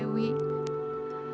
aku tidak bisa